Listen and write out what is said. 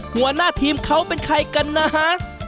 หัวหน้าทีมเขาเป็นใครกันนะฮะ